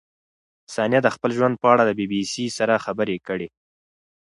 ثانیه د خپل ژوند په اړه د بي بي سي سره خبرې کړې.